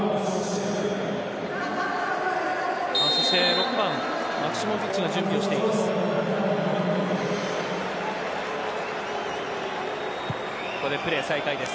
そして、６番マクシモヴィッチが準備をしています。